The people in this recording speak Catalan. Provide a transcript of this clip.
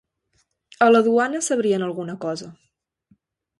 A la duana sabrien alguna cosa.